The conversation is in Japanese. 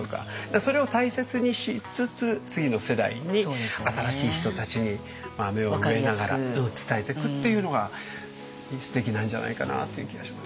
それを大切にしつつ次の世代に新しい人たちに芽を植えながら伝えてくっていうのがすてきなんじゃないかなっていう気がします。